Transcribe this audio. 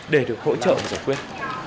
để được hỗ trợ giải quyết